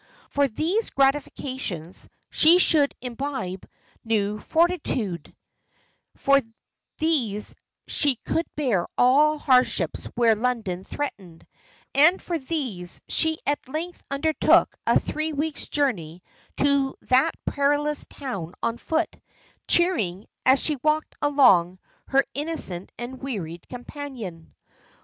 For these gratifications, she should imbibe new fortitude; for these she could bear all hardships which London threatened; and for these, she at length undertook a three weeks' journey to that perilous town on foot, cheering, as she walked along, her innocent and wearied companion.